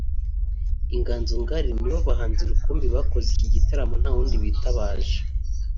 Inganzo Ngari nibo bahanzi rukumbi bakoze iki gitaramo nta wundi bitabaje